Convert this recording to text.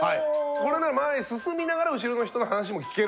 これなら前へ進みながら後ろの人の話も聞ける。